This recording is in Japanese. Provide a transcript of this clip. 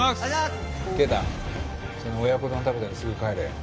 圭太その親子丼食べたらすぐ帰れよ。